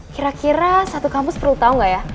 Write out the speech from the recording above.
kira kira satu kampus perlu tau gak ya